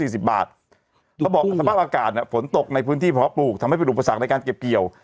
เขาบอกสภาพอากาศฝนตกในพื้นที่เพาะปลูกทำให้เป็นอุปสรรคในการเก็บเกี่ยว